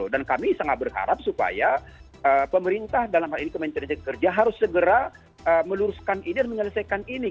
dan kami sangat berharap supaya pemerintah dalam hal ini kementerian kerja harus segera meluruskan ini dan menyelesaikan ini